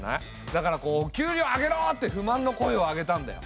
だから「給料を上げろ！」って不満の声を上げたんだよ。